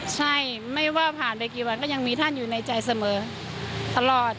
ใช่ไม่ว่าผ่านไปกี่วันก็ยังมีท่านอยู่ในใจเสมอตลอด